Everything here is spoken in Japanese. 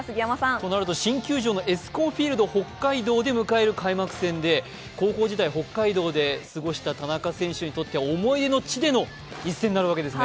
となると新球場のＥＳＣＯＮＦＩＥＬＤＨＯＫＫＡＩＤＯで迎える開幕戦で開幕戦で高校時代、北海道で過ごした田中選手にとっては思い出の地での一戦になるわけですね。